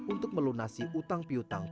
untuk melunasi utang piutangnya